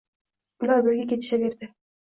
Ular birga ketaverishdi